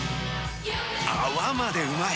泡までうまい！